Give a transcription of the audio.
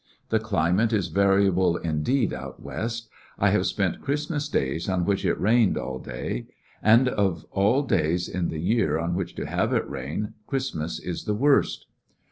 The climate is variable indeed out West. I have spent Christmas days on which it rained all day ; and of all days in the year on which to have it rain, Christmas is the worst.